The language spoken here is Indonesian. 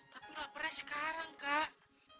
tapi lapernya sekarang kak